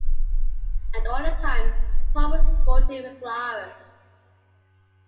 And all the time Paul was sporting with Clara.